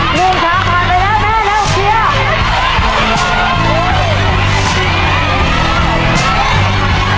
หนึ่งช้าขวาไปแล้วแม่เร็วคือ